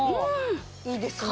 いいですもんね。